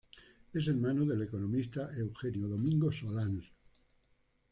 Es hermano del economista Eugenio Domingo Solans.